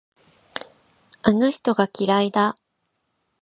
あの人が嫌いだ。